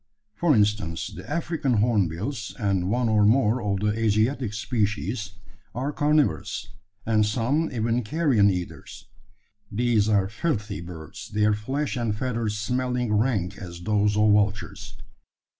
For instance, the African hornbills, and one or more of the Asiatic species, are carnivorous, and some even carrion eaters. These are filthy birds, their flesh and feathers smelling rank as those of vultures.